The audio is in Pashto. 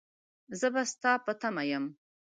زه به ستا په تمه يم.